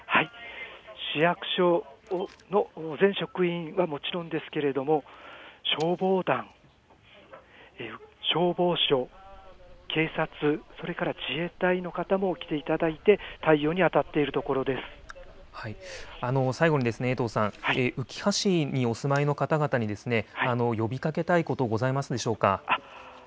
市役所の全職員はもちろんですけれども、消防団、消防署、警察、それから自衛隊の方も来ていただいて、対応に当たっているところ最後に江藤さん、うきは市にお住まいの方々に呼びかけたいこと、ございますでしょうか。